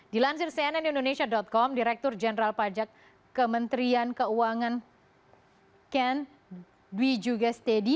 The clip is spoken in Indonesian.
dilansir cnn indonesia com direktur jenderal pajak kementerian keuangan ken dwi jugestedi